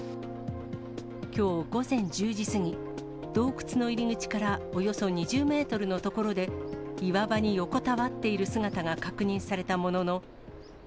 きょう午前１０時過ぎ、洞窟の入り口からおよそ２０メートルの所で、岩場に横たわっている姿が確認されたものの。